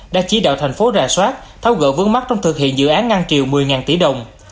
đã chỉ đạo thành phố ra soát tháo gỡ vướng mắt trong thực hiện dự án ngăn triều một mươi tỷ đồng